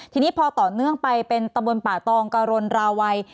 ทีนี้พอต่อเนื่องไปเป็นตำบลป่าตองกะรนราวัย